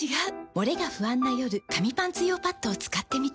モレが不安な夜紙パンツ用パッドを使ってみた。